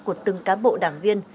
của từng cán bộ đảng viên